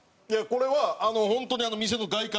これは本当に店の外観見て。